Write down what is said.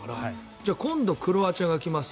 じゃあ今度クロアチアが来ます